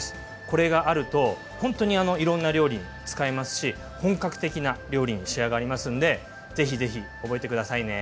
これがあるとほんとにいろんな料理に使えますし本格的な料理に仕上がりますんでぜひぜひ覚えて下さいね。